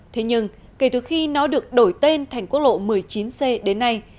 thế nhưng kể từ khi nó được đổi tên thành quốc lộ một mươi chín c đến nay